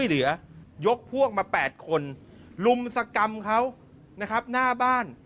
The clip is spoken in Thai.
ลุมสกรรมเขานะครับหน้าบ้าน